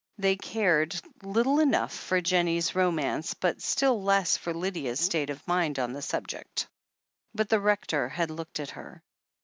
They had cared little enough for Jennie's ro mance, less still for Lydia's state of mind on the subject. But the Rector had looked at her.